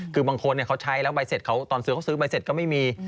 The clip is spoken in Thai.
คือบางคนเขาใช้แล้วตอนซื้อเขาซื้อใบเสร็จก็ไม่มี